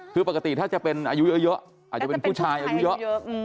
คือปกติถ้าจะเป็นอายุเยอะอาจจะเป็นผู้ชายอายุเยอะ